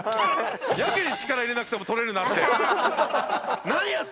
やけに力入れなくても取れるなって。